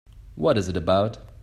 What is it about?